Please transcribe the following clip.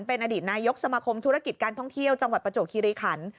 เป็นอดีตนายกสมาคมธุรกิจการท่องเที่ยวจังหวัดประจวบคิริขัน